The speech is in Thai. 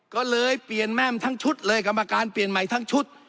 ก็เลยเปลี่ยนแม่มทั้งชุดเลยกรรมการเปลี่ยนใหม่ทั้งชุด